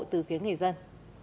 từ phía người dân